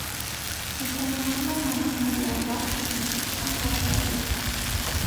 Նշանակում է «մանուկների ավագ, ուսուցիչ կամ վարժապետ»։